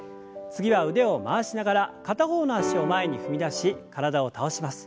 次は腕を回しながら片方の脚を前に踏み出し体を倒します。